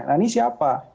nah ini siapa